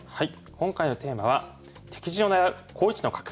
今回のテーマは「敵陣を狙う好位置の角」。